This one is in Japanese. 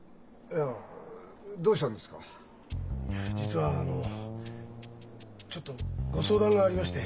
いや実はあのちょっとご相談がありまして。